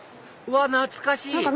うわ懐かしい！